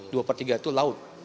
dua per tiga itu laut